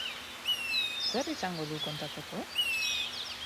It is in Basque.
Zer izango du kontatzeko?